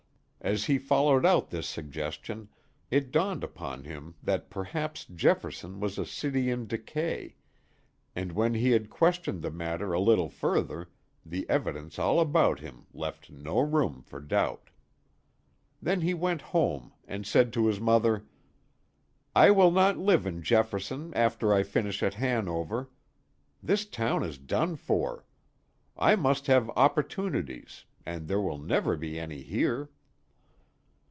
As he followed out this suggestion it dawned upon him that perhaps Jefferson was a city in decay, and when he had questioned the matter a little further, the evidence all about him left no room for doubt. Then he went home and said to his mother: "I will not live in Jefferson after I finish at Hanover. This town is done for. I must have opportunities, and there will never be any here."